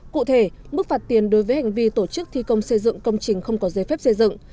cụ thể mức phạt tiền đối với hành vi tổ chức thi công xây dựng công trình không có giấy phép xây dựng